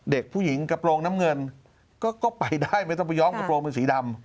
เด็กผู้หญิงกระโปรงน้ำเงินก็ไปได้ไม่ต้องไปย้อมกระโปรงเป็นสีดำ